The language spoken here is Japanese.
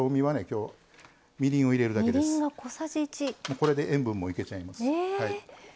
これで塩分もいけちゃいます。